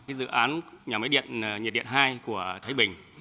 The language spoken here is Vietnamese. cái dự án nhà máy điện nhiệt điện hai của thái bình